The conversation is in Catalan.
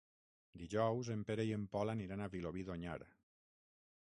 Dijous en Pere i en Pol aniran a Vilobí d'Onyar.